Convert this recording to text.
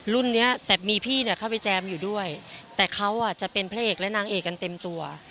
เนี้ยแต่มีพี่เนี่ยเข้าไปแจมอยู่ด้วยแต่เขาอ่ะจะเป็นพระเอกและนางเอกกันเต็มตัว